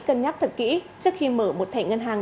cân nhắc thật kỹ trước khi mở một thẻ ngân hàng